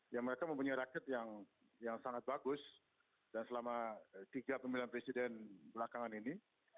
ya mereka mempunyai rakyat yang sangat bagus dan selama tiga pemilihan presiden belakangan ini